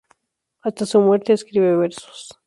Hasta su muerte escribe versos.